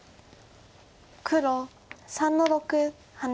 黒３の六ハネ。